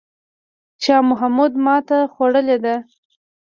شاه محمود ماته خوړلې ده.